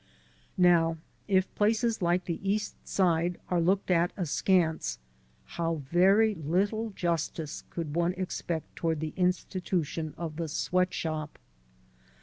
Now, if places like the East Side are looked at askance, how very little justice could one expect toward the institution of the sweat shop?